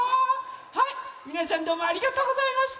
はいみなさんどうもありがとうございました！